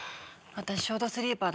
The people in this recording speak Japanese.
私ショートスリーパーだし。